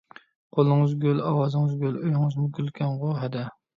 قولىڭىز گۈل، ئاۋازىڭىز گۈل، ئۆيىڭىزمۇ گۈلكەنغۇ ھەدە.